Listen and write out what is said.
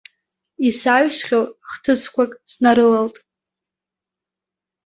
Исаҩсхьоу хҭысқәак снарылалт.